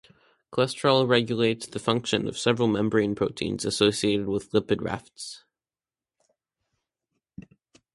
Cholesterol regulates the function of several membrane proteins associated with lipid rafts.